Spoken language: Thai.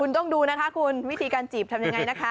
คุณต้องดูนะคะคุณวิธีการจีบทำยังไงนะคะ